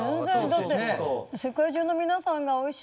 だって世界中の皆さんがおいしい